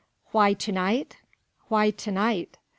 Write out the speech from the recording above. "Why to night? why to night?"